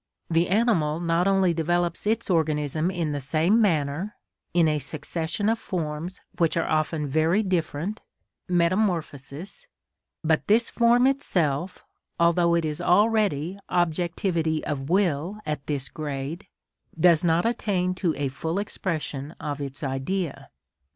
The animal not only develops its organism in the same manner, in a succession of forms which are often very different (metamorphosis), but this form itself, although it is already objectivity of will at this grade, does not attain to a full expression of its Idea.